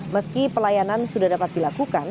meski pelayanan sudah dapat dilakukan